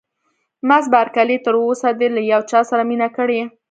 مس بارکلي: تر اوسه دې له یو چا سره مینه کړې؟